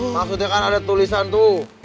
maksudnya kan ada tulisan tuh